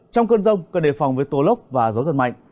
trong cơn rông cần đề phòng với tố lốc và gió giật mạnh